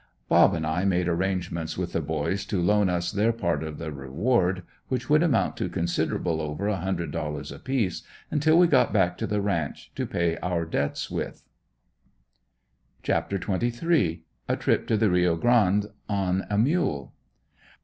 "Bob" and I made arrangements with the boys to loan us their part of the reward, which would amount to considerable over a hundred dollars apiece, until we got back to the ranch, to pay our debts with. CHAPTER XXIII. A TRIP TO THE RIO GRANDE ON A MULE.